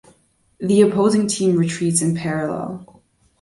The opposing team retreats in parallel.